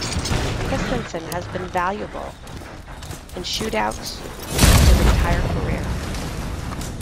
Christensen has been valuable in shootouts his entire career.